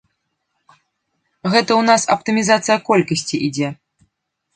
Гэта ў нас аптымізацыя колькасці ідзе.